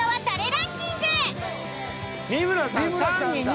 ランキング。